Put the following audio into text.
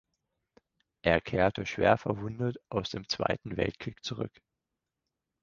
Er kehrte schwer verwundet aus dem Zweiten Weltkrieg zurück.